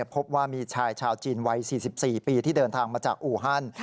พบว่ามีชายชาวจีนวัย๔๔ปีที่เดินทางมาจากอูฮัน